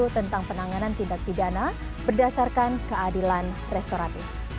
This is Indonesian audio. tentang penanganan tindak pidana berdasarkan keadilan restoratif